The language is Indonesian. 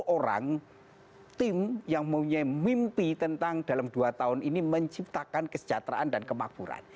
sepuluh orang tim yang mempunyai mimpi tentang dalam dua tahun ini menciptakan kesejahteraan dan kemakmuran